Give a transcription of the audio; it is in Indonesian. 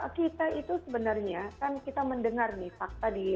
kita itu sebenarnya kan kita mendengar nih fakta di